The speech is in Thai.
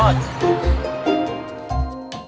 จะรอด